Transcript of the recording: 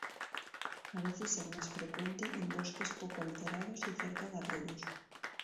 Parece ser más frecuente en bosques poco alterados, y cerca de arroyos.